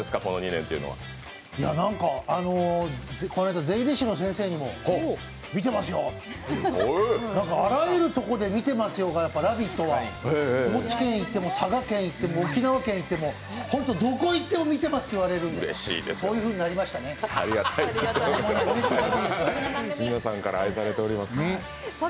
この間税理士の先生にも「見てますよ」って、南下あらゆるところで「見てますよ」が「ラヴィット！」は高知県行っても佐賀県いっても、沖縄県いってもどこ行っても「見てますよ」って言われて、皆さんから愛されております。